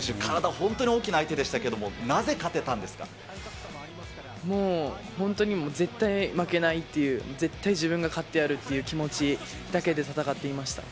本当に大きな相手でしたけれども、なぜ勝てたんですもう本当に絶対負けないっていう、絶対自分が勝ってやるという気持ちだけで戦っていました。